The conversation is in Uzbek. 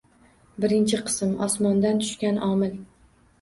Birinchi qism. «Osmondan tushgan» omil